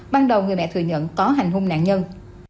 ban đầu người mẹ thừa nhận có hành hung nạn nhân